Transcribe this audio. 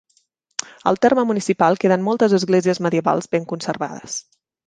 Al terme municipal queden moltes esglésies medievals ben conservades.